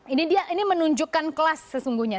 ini dia ini menunjukkan kelas sesungguhnya